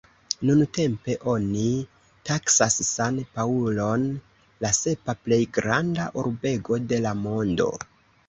Nuntempe oni taksas San-Paŭlon la sepa plej granda urbego de la mondo.